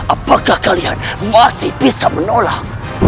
apakah kalian masih bisa menolak